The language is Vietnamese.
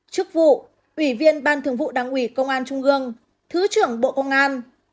chức vụ ủy viên ban thường vụ đảng ủy công an trung ương thứ trưởng bộ công an